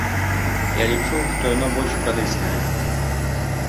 Я лічу, што яно больш карыснае.